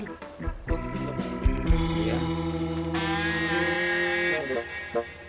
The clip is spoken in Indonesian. oh di sini bapak